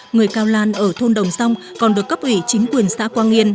người cao lan ở thôn đồng rong còn được cấp ủy chính quyền xã quang yên